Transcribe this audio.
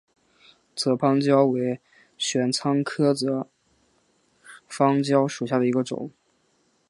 泽番椒为玄参科泽番椒属下的一个种。